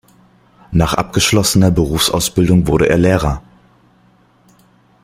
Nach abgeschlossener Berufsausbildung wurde er Lehrer.